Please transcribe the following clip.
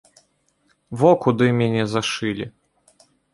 Во куды мяне зашылі.